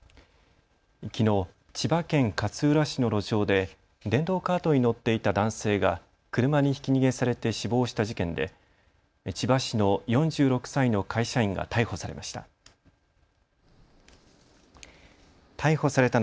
きのう千葉県勝浦市の路上で電動カートに乗っていた男性が車にひき逃げされて死亡した事件で千葉市の４６歳の会社員が逮捕されました。